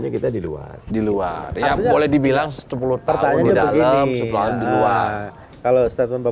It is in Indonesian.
kita di luar di luar yang boleh dibilang sepuluh tahun di dalam sebuah dua kalau setelah